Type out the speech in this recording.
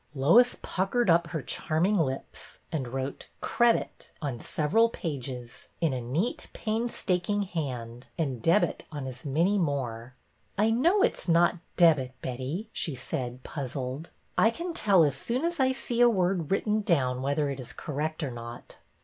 Lois puckered up her charming lips, and wrote Credit " on several pages, in a neat, painstaking hand, and " Debit " on as many more. I know it 's not Debit, Betty," she said, puz zled. I can tell as soon as I see a word written down whether it is correct or not."